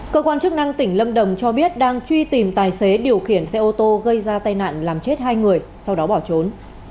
cơ quan chức năng tỉnh lâm đồng cho biết đang truy tìm tài xế điều khiển xe ô tô gây ra tai nạn làm chết hai người sau đó bỏ trốn